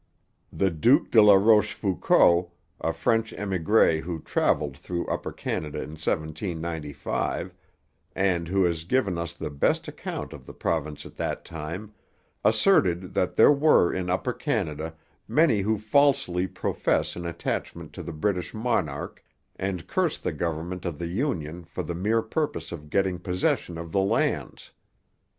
The Duc de la Rochefoucauld, a French emigre who travelled through Upper Canada in 1795, and who has given us the best account of the province at that time, asserted that there were in Upper Canada many who falsely profess an attachment to the British monarch and curse the Government of the Union for the mere purpose of getting possession of the lands.'